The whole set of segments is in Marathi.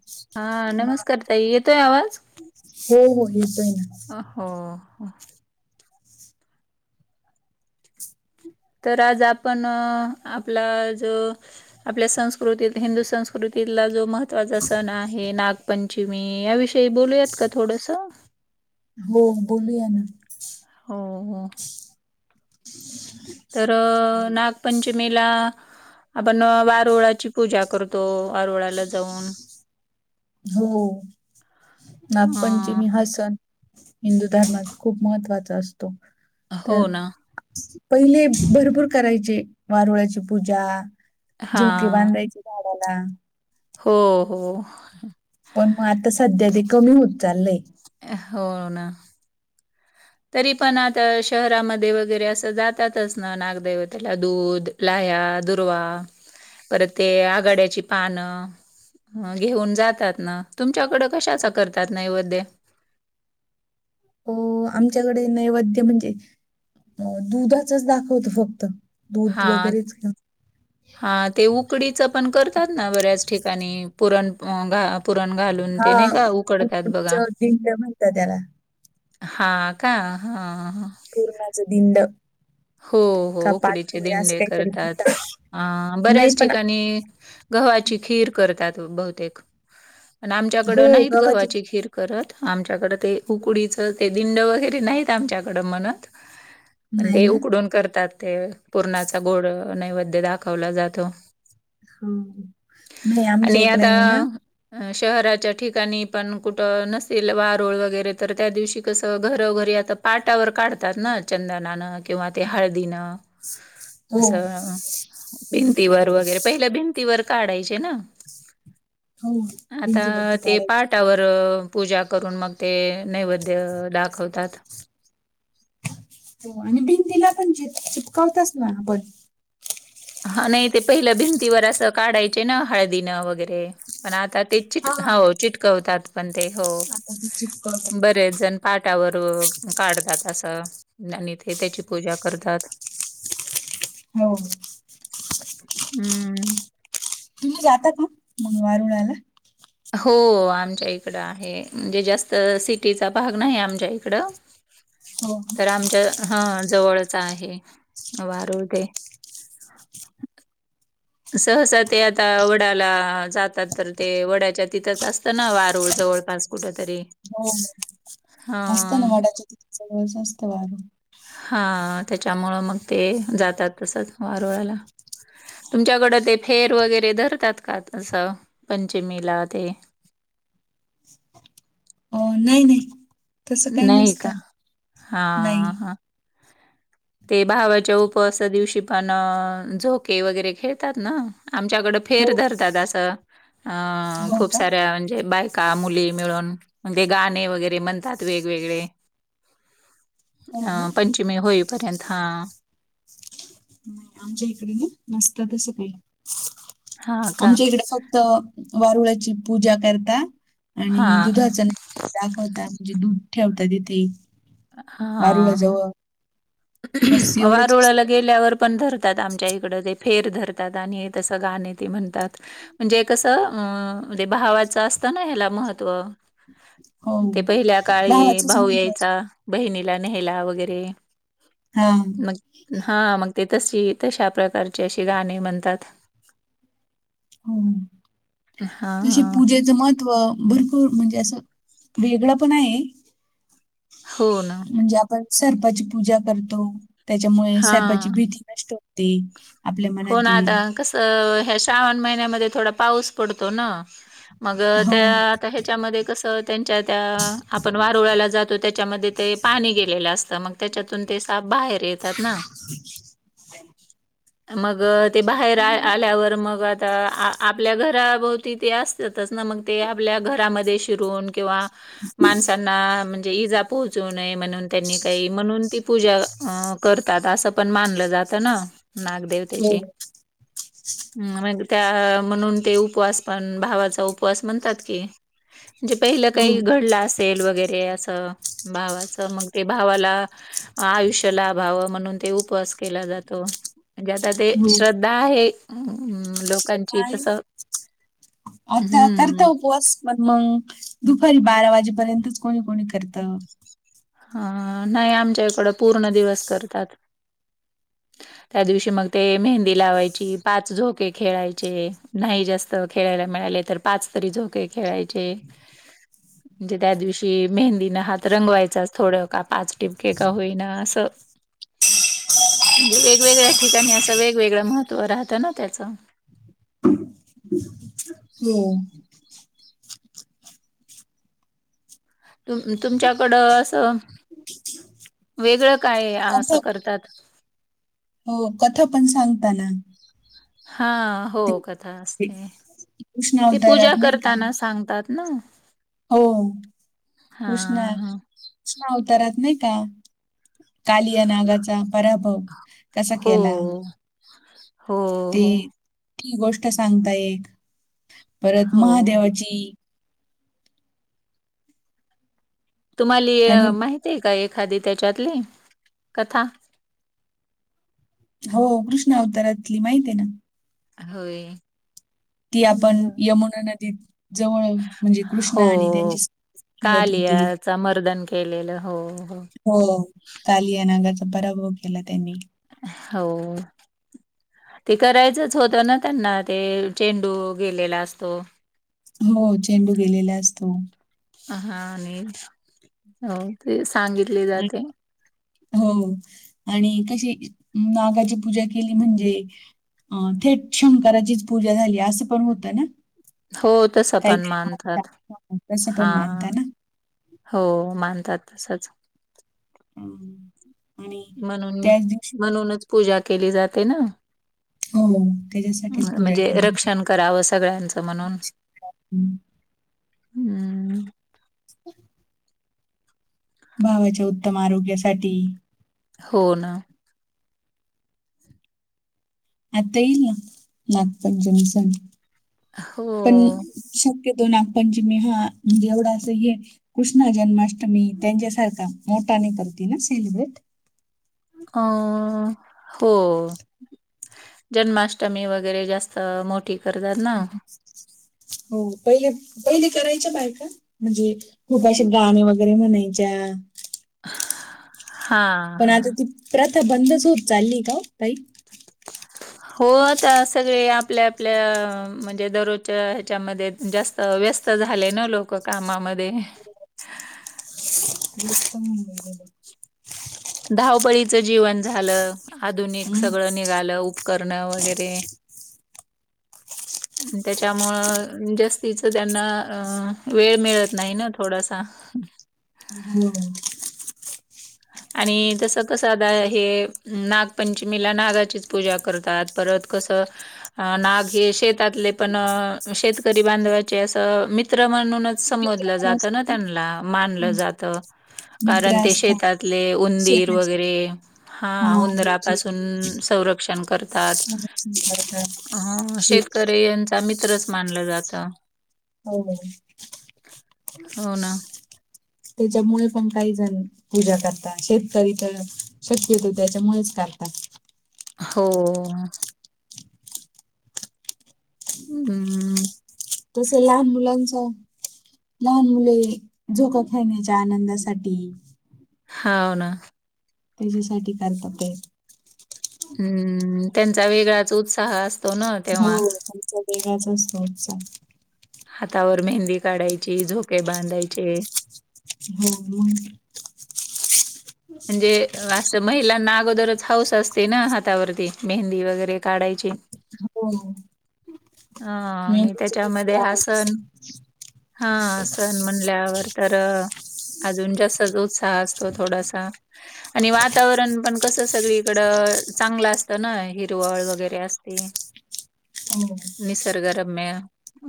[inaudible] हा नमस्कार ताई! येतोय आवाज. हे मुलीचे ना हो. तर आज आपण आपला जो आपल्या संस्कृतीत हिंदू संस्कृती इथला जो महत्त्वाचा सण आहे नागपंचमी याविषयी बोलूयात का थोडस. हो बोलूया ना. हो हो. तर नागपंचमीला आपण वारोळाची पूजा करतो. हो वारुळाला जाऊन हो अ नागपंचमी हा सण हिंदू धर्मात खूप महत्त्वाचा असतो. तर हो ना पहिले भरपूर करायचे वारुळायाची पूजा हा झोके बांधायचे झाडाला हो हो. पण मग आता सध्या ते कमी होत चाललंय. हो ना. तरी पण आता शहरामध्ये वगैरे असं जातातच ना नागदैवतेला दूध लाया दुर्वा परत ते आघाड्याची पानं. घेऊन जातात ना तुमच्याकडं कशाचा करतात नैवेद्य अ, आमच्याकडे नैवेद्य म्हणजे दुधाचच दाखवतो फक्त दूध हा. वगैरेच घेऊन हा ते उकडीचं पण करतात ना बऱ्याच ठिकाणी पुरण घा. पुरण घालून ते हा नाही का उकडतात बघा. उकडीचं दिंड म्हणतात त्याला हा का हा. पूर्णाच दिंड. हो हो का उकडीचे पाठपोळी असं दिंडे काहीतरी करतात म्हणतात अ बऱ्याच नाही पण ठिकाणी गव्हाची खीर करतात बहुतेक आणि आमच्याकड नाहीत गव्हाची खीर करत आमच्याकडं ते उकडीचं ते दिंड वगैरे नाहीत आमच्याकडं म्हणत. म्हण नाही ते ना उकडून करतात ते पूर्णाचा गोड नैवद्य दाखवला जातो. हो नाही आमच्या आणि इकडे आता ये ना. अ शहराच्या ठिकाणी पण कुठं नसेल वाारोळ वगैरे तर त्या दिवशी कसं घरोघरी आता पाटावर काढतात ना चंदनानं किंवा ते हळदीनं हो असं. भिंतीवर वगैरे पहिल्या भिंतीवर काढायचे ना. हो आता भिंतीवरती ते काढायची पहाटावर पूजा करून मग ते नैवेद्य दाखवतात. हो आणि भिंतीला पण च चिपकावताच ना आपण हा नाही ते पहिल्या भिंतीवर असं काढायचे ना हळदीनं वगैरे पण आता हा हा चटवतात पण हो आता ती चिपकवतो ब पाटावर काढतात असं आणि ते त्याची पूजा करतात. हो. हम्म. तुम्ही जाता का मग वार उडायला हो आमच्या इकडं आहे म्हणजे जास्त सिटीचा भाग नाही आमच्या इकडं. [unintelligible] तर आमच्या हा जवळचा आहे वारूळ ते [unintelligible] सहसा ते आता वड्याला जातात तर ते वड्याच्या तिथंच असतं ना वारूळ जवळपास कुठ तरी हो असत ना हं. मडा असतं वारं. हा त्याच्यामुळं मग ते जातात तसंच वारळाला तुमच्याकडं ते फेर वगैरे धरतात का तसं पंचमीला ते अ, नाही नाही तसं काही नाही नसत का? नाही. हां, हां. ते भावाच्या उपवासा दिवशी पण झोके वगैरे खेळतात ना. आमच्याकडं फेर हो धरतात असं. अ हो खूप का साऱ्या म्हणजे बायका मुली मिळून म्हणजे गाणे वगैरे म्हणतात वेगवेगळे [unintelligible] हो ना अं पंचमी होईपर्यंत हा. नाही आमच्या इकडे ना नसत तसं काही हां का? आमच्या इकडे फक्त वारुळाची पूजा करता आणि हां, हां. दुधाच दाखवता म्हणजे दूध ठेवता तिथे हा वारुळाजवळ बस एवढेच वारुळाला असतं गेल्यावर पण धरतात आमच्या इकड ते फेर धरतात आणि तसं गाण ते म्हणतात. म्हणजे कसं अं म्हणजे भावाचं असतं ना ह्याला महत्त्व हो ते पहिल्या काळी भावाचंच भाऊ महत्व असतं यायचा बहिणीला न्यायला वगैरे हा मग हां मग ते तशी तशा प्रकारचे अशी गाणी म्हणतात. हो तशी हां. पूजेच मज भरपूर म्हणजे असं वेगळं पण आहे. हो ना. म्हणजे आपण सर्पाची पूजा करतो. त्याच्यामुळे सर्पाची हां. भीती नष्ट होते. आपल्या हो मनात ना आता येईल कसं ह्या श्रावण महिन्यामध्ये थोडा पाऊस पडतो ना मग हो त्या आता ह्याच्यामध्ये कसं त्यांच्या त्या आपण वारुळाला जातो त्याच्यामध्ये ते पाणी गेलेलं असतं मग त्याच्यातून ते साप बाहेर येतात ना. [inaudible] मग ते बाहेर आल्यावर मग आ तर आ आपल्या घराभोवती ते असतातच ना मग ते आपल्या घरामध्ये शिरून किंवा माणसांना म्हणजे इजा पोहोचु नये म्हणुन त्यांनी काही म्हणून ती पूजा करतात असं पण मानलं जातं ना नागदेवतेची. [inaudible] हं मग त्या म्हणून ते उपवास पण भावाचा उपवास म्हणतात की. म्हणजे पहिलं हो काही घडलं अस तेल वगैरे असं भावाचं मग ते भावाला आयुष्य लाभावं म्हणून ते उपवास केला जातो. म्हणजे आता ते हो श्रद्धा आहे लोक काय आता हम्म करता उपवास पण मग दुपारी बारा वाजेपर्यंतच कोणी कोणी करत. अ नाही आमच्या इकडं पूर्ण दिवस करतात. [inaudible] त्या दिवशी मग ते मेहंदी लावायची पाच झोके खेळायचे नाही जास्त खेळायला मिळाले तर पाच तरी झोके खेळायचे. म्हणजे त्या दिवशी मेहंदीन हात रंगवायचा अस थोडं का पाच ठिपके का होईना असं म्हणजे वेगवेगळ्या ठिकाणी असं वेगवेगळं महत्त्व राहतं ना त्याचं. [inaudible] हो. तुम तुमच्याकडं असं वेगळं काय असं कथा करतात. हो कथा पण सांगताना हां हो ते कथा ते असते कृष्ण ते पूजा अवतारात नाही का करताना सांगतात. नऊ हो. कृष्ण हा अवतारात नाही का, कालिया नागाचा परा हो, तसा हो केला. [inaudible] ते हो ती गोष्ट सांगतायत. परत हो महादेवाची तुम्हाली आणि माहितीय का एखादी, त्याच्यातली कथा? हो कृष्ण अवतारातली, माहितय ना. होय. ती आपण, बरं. यमुना नदीत जवळ म्हणजे कृष्ण आणि त्यांची [unintelligible] खेळत होती. समर्दन केलेलं, हो हो, कालिया नागाचा पराभव केला त्यांनी. हो. ते करायचंच होतं ना त्यांना, ते चेंडू गेलेला असतो हो चेंडू गेलेला असतो हा आणि हो ते सांगितले आणि- जाते हो आणि कशी नागाची पूजा केली म्हणजे अ थेट शंकाचीच पूजा झाली असं पण होतं ना हो तसं काही पण काही मानतात. तस पण हां. मानताना हो मानतात तसंच हम् म्हणून म्हणूनच पूजा केली जाते ना हो त्याच्यासाठीच पूजा म्हणजे केली रक्षण करावं सगळ्यांचं म्हणून हम्म हम्म [inaudible] भावाच्या उत्तम आरोग्यासाठी हो ना आता येईल ना नागपर जंक्शन पण हो. शक्यतो नागपंचमी हाजेवढा अस कृष्णा जन्माष्टमी त्यांच्यासारखा मोठाने पतीने सेलिब्रेट अ हो जन्माष्टमी वगैरे जास्त मोठी करतात ना हो पहिले पहिले करायच बाहेर का म्हणजे खूप अश गाणे वगैरे म्हणायच्या हां, पण आता हां. ती प्रथा बंदच होत चालली का तई हो आता सगळे आपल्या आपल्या म्हणजे दररोजच्या ह्याच्यामध्ये जास्त व्यस्त झाले ना लोक कामामध्ये वत धावपळीचं जीवन झालं आधुनिक हम्म. सगळं निघालं उपकरण वगैरे [inaudible] त्याच्यामुळं जास्तीच त्यांना अ वेळ मिळत नाही ना थोडासा [inaudible] होम्म आणि तसं कसंता हे नागपंचमीला नागाचीच पूजा करतात परत कसं नाग हे शेतातले पण शेतकरी बांधवाचे असं मित मित्र म्हणूनच मित्र समोजलं पण जातं ना त्यांना मानलं जात ह कारण ते शेतातले उंदीर वगैरे हा उंदरापासून मदत करतात ण श शेत मित्रच मानलं जातं हो हो ना त्याच्यामुळे पण काही झालं पूजा करताात शेतकरी तर शक्यतो त्याच्यामुळेच करतात हो हम्म तसेला अम्बुलन्स लहान मुले झोका खेळण्याच्या आनंदासाठी होा ना त्याच्यासाठी कर्तव्य आहेत हम्म त्यांचा वेगळाच उत्साह असतो ना हो तेव्हा. तमचा वेगाचाच होोत्सा हातावर मेहंदी काढायची झोके बांधायचे हो म्हणजे असं महिलांना अगोदरच हौस असते ना हातावरती मेहंदी वगैरे काढायची हो हा आणि मेहंदीचे खूप त्याच्यामध्ये हा आवड. सण हा सण म्हण आपल्यावर तर अजून जास्त उत्साह असतो थोडासा आणि वातावरण पण कसं सगळीकडं चांगलं असतं ना हिरवळ वगैरे असते [inaudible] निसर्गरम्य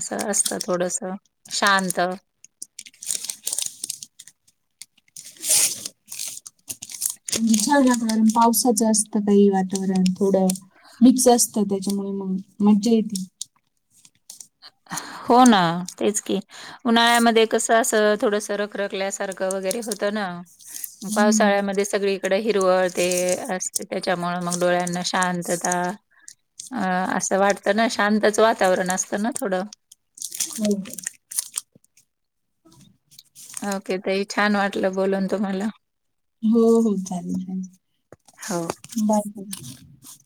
असं असत थोडस शांत वि ार वातावरण पावसाचं असतं काही वातावरण थोडं मिक्स असत त्याच्यामुळे मग मज्जा येत हो ना तेच की उन्हाळ्यामध्ये कसं असं थोडस रखरखल्यासारखं वगैरे होतं ना हम्म. पावसाळ्यामध्ये सगळीकडे हिरवळ ते असते त्याच्यामु मग डोळ्यांना शांत आता अ असं वाटतं ना शांतच वातावरण असत ना थोडं हो के तही छान वाटलं बोलून तुम्हाला हो हो चालेल चालेल होा बाय ब